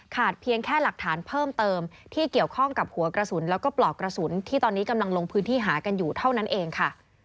เพียงแค่หลักฐานเพิ่มเติมที่เกี่ยวข้องกับหัวกระสุนแล้วก็ปลอกกระสุนที่ตอนนี้กำลังลงพื้นที่หากันอยู่เท่านั้นเองค่ะ